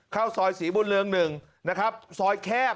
เข้าซอยศรีบุญเรือง๑นะครับซอยแคบ